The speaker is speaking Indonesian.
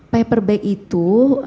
paper bag itu